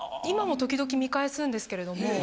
今も時々見返すんですけれども。